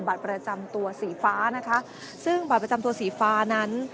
บัตรประจำตัวสีฟ้านะคะซึ่งบัตรประจำตัวสีฟ้านั้น